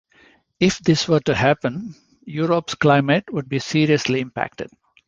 If this were to happen, Europe's climate would be seriously impacted.